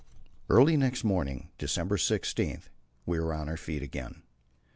Early next morning, December 16, we were on our feet again.